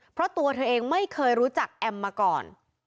เพราะตัวเธอเองไม่เคยรู้จักแอมมาก่อน